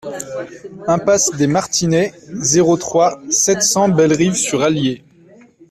Impasse des Martinets, zéro trois, sept cents Bellerive-sur-Allier